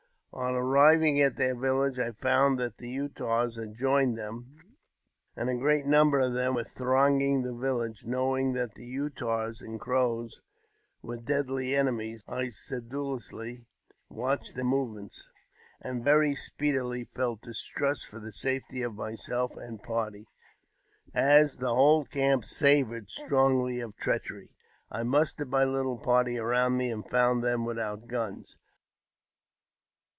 On arriving at their village, I found that the Utahs had joined them, and a great number of them were thronging the village. Knowing that the Utahs and Crows were deadly enemies, I sedulously watched their movements, and very speedily felt distrust for the safety of myself and party, as the whole camp savoured strongly of treachery. I mustered my little party around me, ind found them without guns.